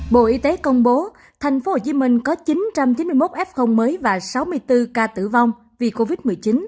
bộ y tế công bố tp hcm có chín trăm chín mươi một f mới và sáu mươi bốn ca tử vong vì covid một mươi chín